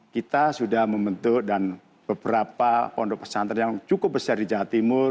kita sudah membentuk dan beberapa pondok pesantren yang cukup besar di jawa timur